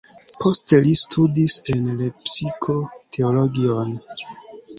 Poste li studis en Lepsiko teologion.